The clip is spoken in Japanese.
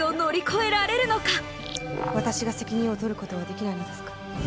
私が責任を取ることはできないのですか。